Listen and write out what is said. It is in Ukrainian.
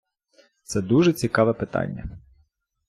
Це дуже цікаве питання.